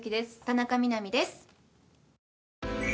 田中みな実です。